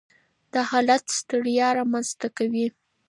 دا حالت ستړیا رامنځ ته کوي.